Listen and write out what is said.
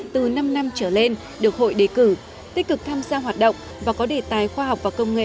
từ năm năm trở lên được hội đề cử tích cực tham gia hoạt động và có đề tài khoa học và công nghệ